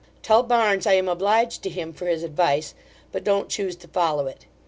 Tell Barns I am obliged to him for his advice; but don't choose to follow it.